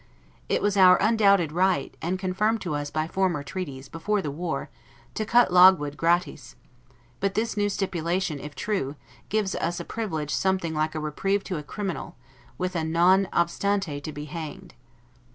It was our undoubted right, and confirmed to us by former treaties, before the war, to cut logwood gratis; but this new stipulation (if true) gives us a privilege something like a reprieve to a criminal, with a 'non obstante' to be hanged.